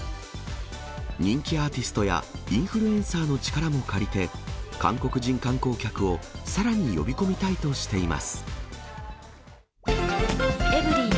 人気アーティストやインフルエンサーの力も借りて、韓国人観光客をさらに呼び込みたいとしています。